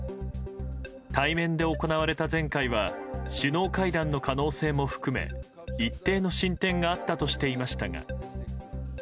対面で行われた前回は首脳会談の可能性も含め一定の進展があったとしていましたが。